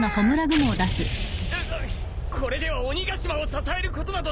うぐっこれでは鬼ヶ島を支えることなどできぬ！